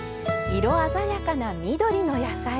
色鮮やかな緑の野菜。